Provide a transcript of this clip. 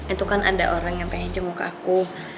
itu kan ada orang yang pengen jenguk aku